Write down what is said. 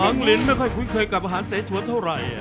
หวังลิงไม่ค่อยคุ้นเคยกับอาหารเสียถั่วเท่าไหร่